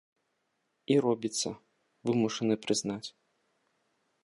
І робіцца, вымушаны прызнаць.